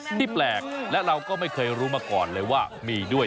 ที่แปลกและเราก็ไม่เคยรู้มาก่อนเลยว่ามีด้วย